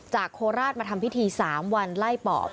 จากโคราชมาทำพิธีสามวันไล่ปอบ